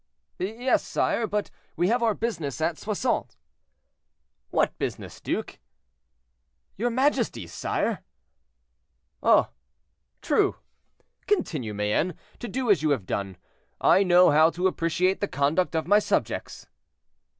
"Yes, sire; but we have our business at Soissons." "What business, duke?" "Your majesty's, sire." "Ah! true; continue, Mayenne, to do as you have done; I know how to appreciate the conduct of my subjects."